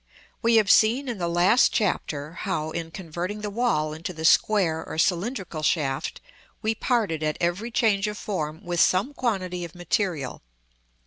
We have seen in the last Chapter how, in converting the wall into the square or cylindrical shaft, we parted at every change of form with some quantity of material.